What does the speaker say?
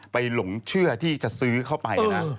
หลงเชื่อที่จะซื้อเข้าไปนะ